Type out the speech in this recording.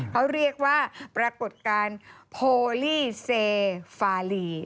เขาเรียกว่าปรากฏการณ์โพลี่เซฟาลี